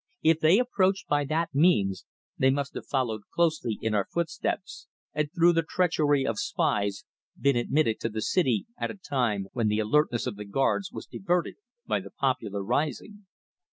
If they approached by that means they must have followed closely in our footsteps, and through the treachery of spies, been admitted to the city at a time when the alertness of the guards was diverted by the popular rising."